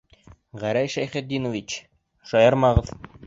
Гәрәй Шәйхетдинович, шаярмағыҙ.